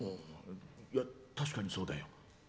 確かにそうだよ。